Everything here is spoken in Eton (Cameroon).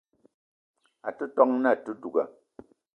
A te ton na àte duga